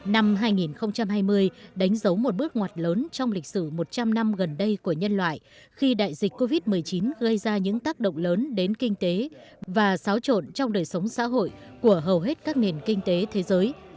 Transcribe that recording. năm hai nghìn hai mươi đánh dấu một bước ngoặt lớn trong lịch sử một trăm linh năm gần đây của nhân loại khi đại dịch covid một mươi chín gây ra những tác động lớn đến kinh tế và xáo trộn trong đời sống xã hội của hầu hết các nền kinh tế thế giới